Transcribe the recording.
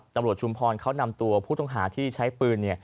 ชุมพรเขานำตัวผู้ต้องหาที่ใช้ปืน